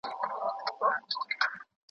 شلومبې د اوړي لپاره ښې دي.